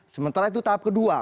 sementara itu tahap kedua